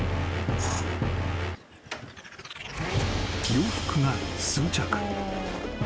［洋服が数着］